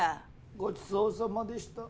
ごちそうさまでした。